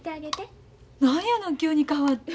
何やの急に変わって。